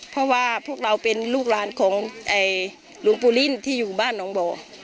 เพราะว่าพวกเราเป็นลูกหลานของหลวงปู่ลิ่นที่อยู่บ้านหนองบ่อ